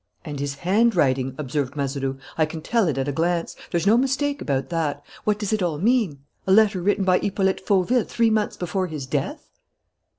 "And his handwriting," observed Mazeroux. "I can tell it at a glance. There's no mistake about that. What does it all mean? A letter written by Hippolyte Fauville three months before his death?"